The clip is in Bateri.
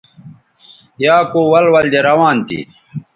یا کو ول ول دے روان تھی